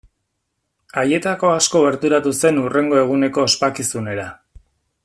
Haietako asko gerturatu zen hurrengo eguneko ospakizunera.